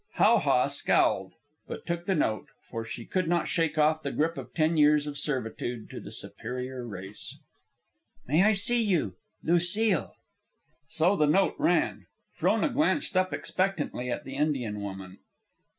How ha scowled, but took the note; for she could not shake off the grip of the ten years of servitude to the superior race. May I see you? LUCILE. So the note ran. Frona glanced up expectantly at the Indian woman.